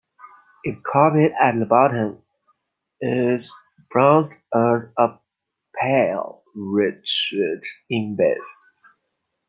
If couped at the bottom it is blazoned as "a pale retrait in base".